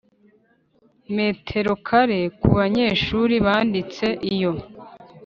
metero kare ku banyeshuri banditse Iyo